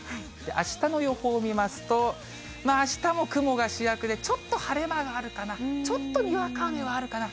あしたの予報を見ますと、あしたも雲が主役で、ちょっと晴れ間があるかな、ちょっとにわか雨はあるかな。